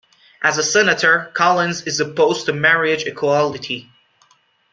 As a Senator, Collins is opposed to marriage equality.